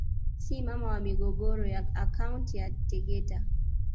Si mama wa migogoro ya akaunti ya Tegeta